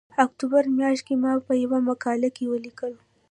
اکتوبر میاشت کې ما په یوه مقاله کې ولیکل